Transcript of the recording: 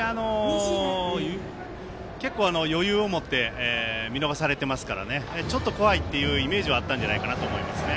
結構、余裕を持って見逃されていますからちょっと怖いというイメージはあったのかなと思いますね。